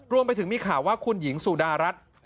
รวมไปถึงมีข่าวว่าคุณหญิงสุดารัฐ